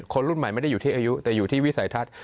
คนรุ่นใหม่ไม่ได้อยู่ที่อายุแต่อยู่ที่วิสัยทัศน์